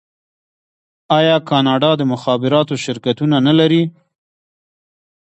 آیا کاناډا د مخابراتو شرکتونه نلري؟